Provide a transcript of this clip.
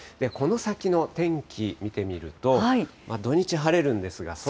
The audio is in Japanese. この先の天気見てみると、土日晴れるんですが。